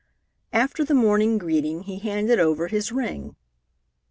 After the morning greeting, he handed over his ring.